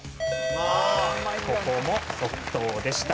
ここも即答でした。